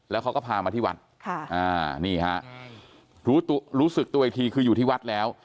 แล้วเขาก็พามาที่วัดนี่ฮะรู้สึกตัวอีกทีคืออยู่ที่วัดแล้ว